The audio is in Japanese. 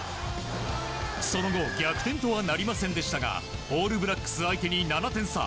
その後逆転とはなりませんでしたがオールブラックス相手に７点差。